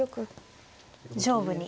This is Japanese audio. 上部に。